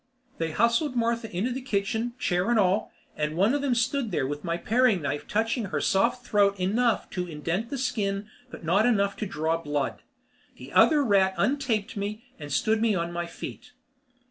They hustled Martha into the kitchen, chair and all, and one of them stood there with my paring knife touching her soft throat enough to indent the skin but not enough to draw blood. The other rat untaped me and stood me on my feet.